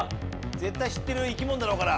絶対知ってる生き物だろうから。